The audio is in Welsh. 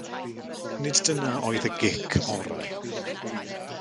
Nid dyna oedd y gic orau.